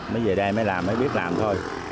mới về đây mới làm mới biết làm thôi